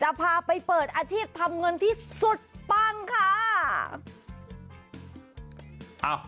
พาไปเปิดอาชีพทำเงินที่สุดปังค่ะ